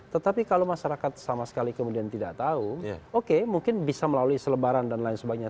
tetapi kalau masyarakat sama sekali kemudian tidak tahu oke mungkin bisa melalui selebaran dan lain sebagainya